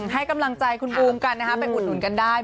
ให้กำลังใจคุณบูมกันนะคะไปอุดหนุนกันได้